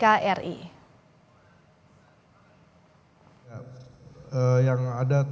diétait untuk pertanian bpk dan s nilainya slow